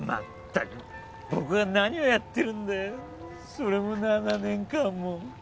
それも７年間も。